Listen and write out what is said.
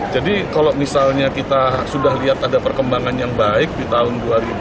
jadi kalau misalnya kita sudah lihat ada perkembangan yang baik di tahun dua ribu empat belas